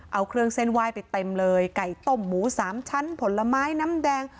เอาเครื่องเส้นไหว้ไปเต็มเลยไก่ต้มหมูสามชั้นผลไม้น้ำแดง